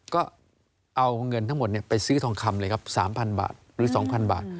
ก็เอาเงินทั้งหมดไปซื้อทองคำเลยครับ๓๐๐บาทหรือ๒๐๐บาท